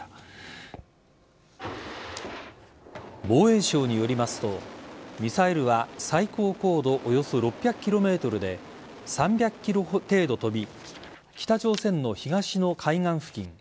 防衛省によりますとミサイルは最高高度およそ６００ｋｍで３００ｋｍ程度飛び北朝鮮の東の海岸付近